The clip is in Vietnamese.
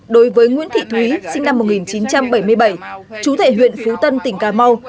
đối với nguyễn thị thúy sinh năm một nghìn chín trăm bảy mươi bảy chú thể huyện phú tân tỉnh cà mau